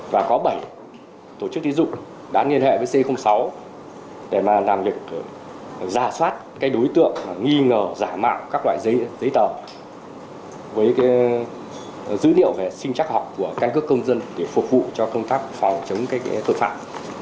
và có bảy tổ chức tín dụng đã liên hệ với c sáu để mà làm việc giả soát cái đối tượng nghi ngờ giả mạo các loại giấy tờ với dữ liệu về sinh chắc học của căn cước công dân để phục vụ cho công tác phòng chống tội phạm